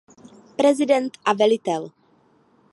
Prezident a velitel.